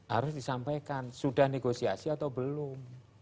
harus disampaikan sudah negosiasi atau belum